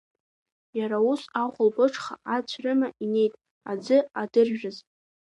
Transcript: Иара ус ахәлбыҽха ацә рыма инеит, аӡы адыржәразы.